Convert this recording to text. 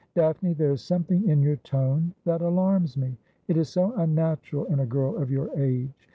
' Daphne, there is something in your tone that alarms me. It is so unnatural in a girl of your age.